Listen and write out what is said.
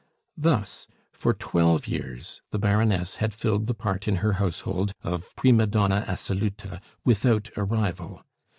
Thus, for twelve years the Baroness had filled the part in her household of prima donna assoluta, without a rival.